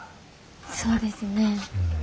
そうですね。